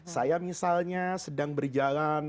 saya misalnya sedang berjalan